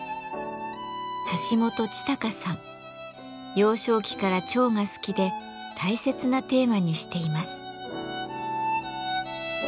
幼少期から蝶が好きで大切なテーマにしています。